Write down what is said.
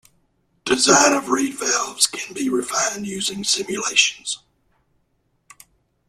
Design of reed valves can be refined using simulations.